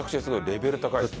レベル高いですよ。